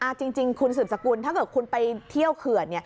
จริงคุณสืบสกุลถ้าเกิดคุณไปเที่ยวเขื่อน